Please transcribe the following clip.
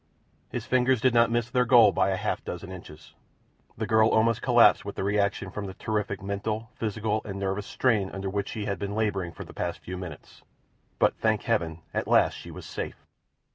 His fingers did not miss their goal by a half dozen inches. The girl almost collapsed with the reaction from the terrific mental, physical, and nervous strain under which she had been labouring for the past few minutes. But, thank Heaven, at last she was safe!